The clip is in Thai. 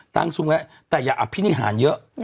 ตั้งซุ้มแล้วแต่อย่าอภินิหารเยอะ